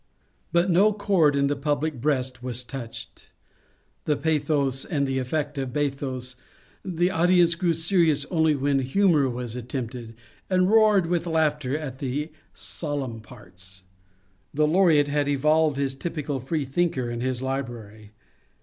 But no chord in the public breast was touched. The pathos had the effect of bathos ; the audience grew serious only when humour was attempted, and roared with laughter at the sol emn parts. The Laureate had evolved his typical freethinker in his library.